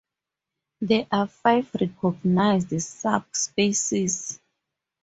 There are five recognised subspecies.